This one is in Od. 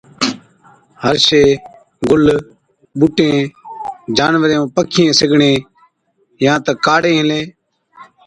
هر شئيءَ، گُل، ٻُوٽين، جانورين ائُون پکِيئَين سِگڙين يان تہ ڪاڙين هِلين،